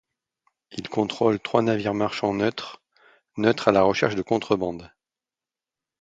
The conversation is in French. Il contrôle trois navires marchands neutres neutres à la recherche de contrebande.